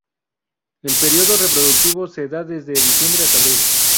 El periodo reproductivo se da desde diciembre hasta abril.